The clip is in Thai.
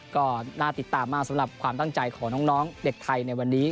ก็น่าติดตามมากสำหรับความตั้งใจของน้องเด็กไทยในวันนี้